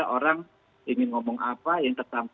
kalau negatif dan negatif beadsih sendiri banget